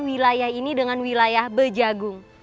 wilayah ini dengan wilayah bejagung